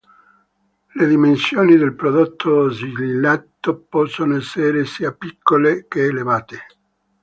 Le dimensioni del prodotto sigillato possono essere sia piccole che elevate.